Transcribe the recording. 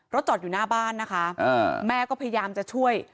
จอดอยู่หน้าบ้านนะคะแม่ก็พยายามจะช่วย